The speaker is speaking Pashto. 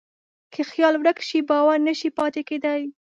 که خیال ورک شي، باور نهشي پاتې کېدی.